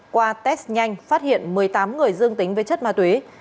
qua test nhanh phát hiện một mươi tám người dương tính với chất ma túy